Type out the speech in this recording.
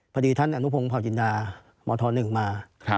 พอดีท่านอนุพงศ์เผาจินดามธ๑มา